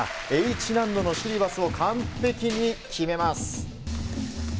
Ｈ難度のシリバスを完璧に決めます。